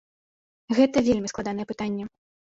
Гэта вельмі складанае пытанне.